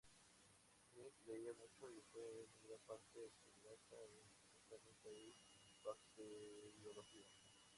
Smith leía mucho y fue en gran parte autodidacta en botánica y bacteriología.